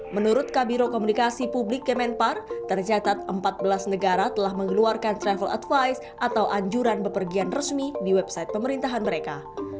menurut kabiro komunikasi publik kemenpar tercatat empat belas negara telah mengeluarkan travel advice atau anjuran bepergian resmi di website pemerintahan mereka